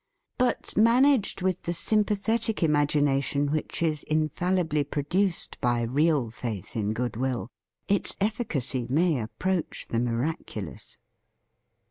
But managed with the sympa thetic imagination which is infallibly produced by real faith in goodwill, its efficacy may approach the miraculous.